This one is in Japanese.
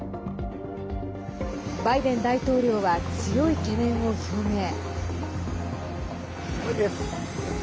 バイデン大統領は強い懸念を表明。